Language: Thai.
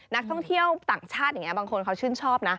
นักท่องเที่ยวต่างชาติอย่างนี้บางคนเขาชื่นชอบนะ